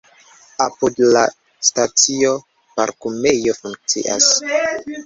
Apud la stacio parkumejo funkcias.